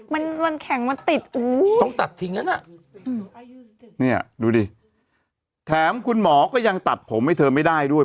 มันวันแข็งมันติดต้องตัดทิ้งแล้วน่ะเนี่ยดูดิแถมคุณหมอก็ยังตัดผมให้เธอไม่ได้ด้วย